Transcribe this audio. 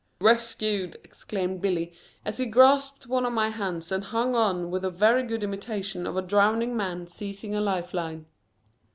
"Rescued!" exclaimed Billy as he grasped one of my hands and hung on with a very good imitation of a drowning man seizing a lifeline.